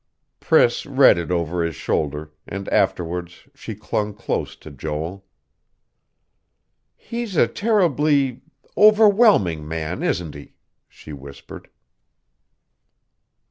Priss read it over his shoulder, and afterwards she clung close to Joel. "He's a terribly overwhelming man, isn't he?" she whispered.